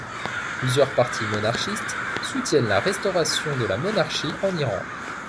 Plusieurs partis monarchistes soutiennent la restauration de la monarchie en Iran.